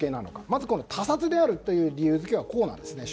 まず他殺であるという理由付けはこうなんですね。